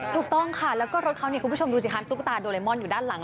ถูกต้องค่ะแล้วก็รถเขาเนี่ยคุณผู้ชมดูสิคะตุ๊กตาโดเรมอนอยู่ด้านหลัง